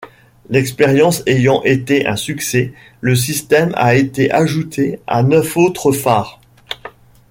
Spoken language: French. L'expérience ayant été un succès, le système a été ajouté à neuf autres phares.